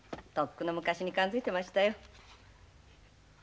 とっくの昔に感づいてましたよ。